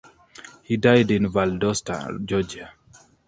He died in Valdosta, Georgia.